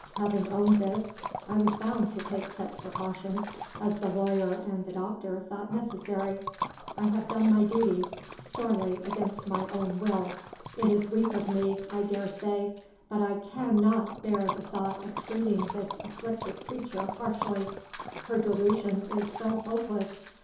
Having owned this, I was bound to take such precautions as the lawyer and the doctor thought necessary. I have done my duty sorely against my own will. It is weak of me, I dare say; but I can not bear the thought of treating this afflicted creature harshly. Her delusion is so hopeless!